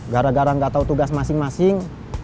gara gara gak tahu tugas masing masing